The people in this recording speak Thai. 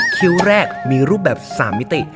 คิ้วแรกมีรูปแบบ๓มิติ